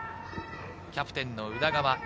キャプテンの宇田川瑛